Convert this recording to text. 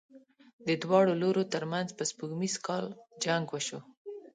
د دواړو لورو تر منځ په سپوږمیز کال جنګ وشو.